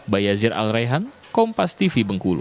bayazir alraihang kompastv bengkulu